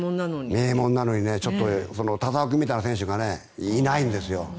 名門なのにね田澤君みたいな選手がいないんですよ。